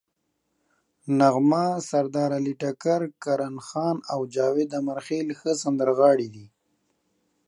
نغمه، سردارعلي ټکر، کرن خان او جاوید امیرخیل ښه سندرغاړي دي.